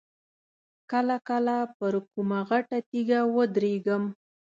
کله کله پر کومه غټه تیږه ودرېږم.